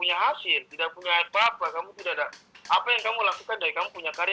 acel dipukul sama papa sendiri